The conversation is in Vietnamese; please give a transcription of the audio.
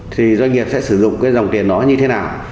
thì doanh nghiệp sẽ sử dụng cái dòng tiền đó như thế nào